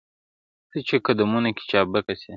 ته چي قدمونو كي چابكه سې,